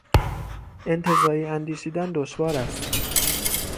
انتزاعی اندیشیدن دشوار است